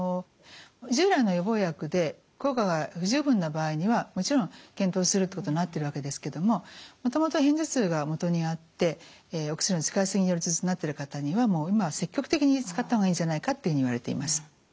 従来の予防薬で効果が不十分な場合にはもちろん検討するってことになってるわけですけどももともと片頭痛がもとになってお薬の使いすぎによる頭痛になってる方にはもう今は積極的に使った方がいいんじゃないかっていうふうに言われています。